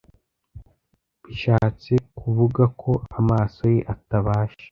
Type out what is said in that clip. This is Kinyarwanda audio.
bishatse kubuga ko amaso ye atabasha